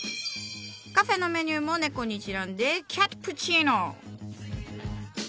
カフェのメニューも猫にちなんで「キャットプチーノ」。